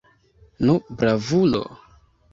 Nu, bravulo!